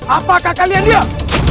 apakah kalian diam